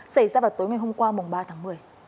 xảy ra vào tối ngày hôm qua ba tháng một mươi